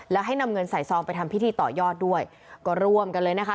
แล้วให้นำเงินใส่ซองไปทำพิธีต่อยอดด้วยก็ร่วมกันเลยนะคะ